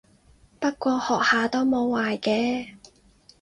不過學下都冇壞嘅